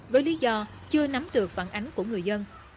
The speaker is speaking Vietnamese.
với lý do chưa nắm được phản ánh của người dân